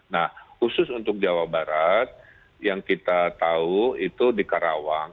nah khusus untuk jawa barat yang kita tahu itu di karawang